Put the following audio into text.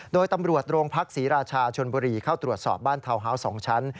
โดยตำรวจโรงพักศรีราชาชนบุรีเข้าตรวจสอบบ้านทาวน์ฮาวส์๒ชั้น